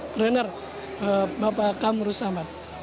trainer bapak kamurus samad